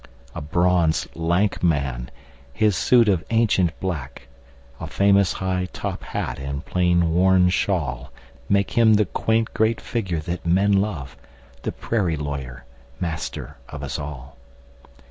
A bronzed, lank man! His suit of ancient black,A famous high top hat and plain worn shawlMake him the quaint great figure that men love, The prairie lawyer, master of us all.